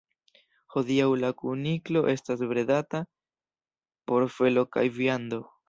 Hodiaŭ la kuniklo estas bredata por felo kaj viando.